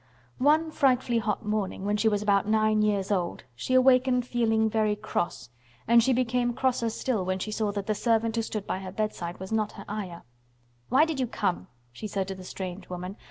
One frightfully hot morning, when she was about nine years old, she awakened feeling very cross, and she became crosser still when she saw that the servant who stood by her bedside was not her Ayah. "Why did you come?" she said to the strange woman.